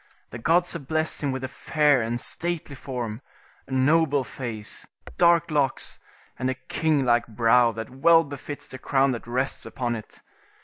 The gods have blessed him with a fair and stately form, a noble face, dark locks, and a king like brow that well befits the crown that rests upon it.